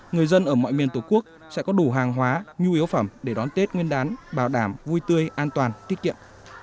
người dân ở mọi miền tổ quốc sẽ có đủ hàng hóa nhu yếu phẩm để đón tết nguyên đán bảo đảm vui tươi an toàn tiết kiệm